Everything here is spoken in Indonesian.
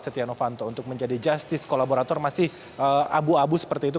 setia novanto untuk menjadi justice kolaborator masih abu abu seperti itu